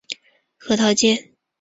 核桃街。